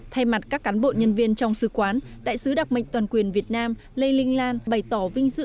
thay mặt các cán bộ nhân viên trong sư quán đại sứ đặc mệnh toàn quyền việt nam lê linh lan bày tỏ vinh dự